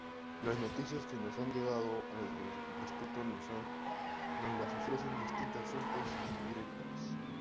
Las noticias que nos han llegado al respecto nos las ofrecen distintas fuentes indirectas.